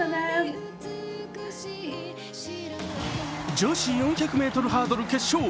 女子４００ｍハードル決勝。